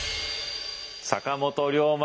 坂本龍馬。